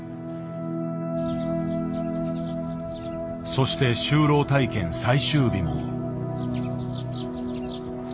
そして就労体験最終日も。